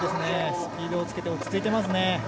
スピードをつけて落ち着いてますね。